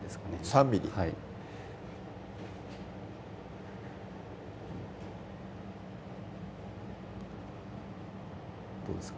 ３ｍｍどうですか？